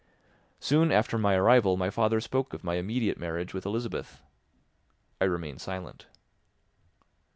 Soon after my arrival my father spoke of my immediate marriage with Elizabeth. I remained silent.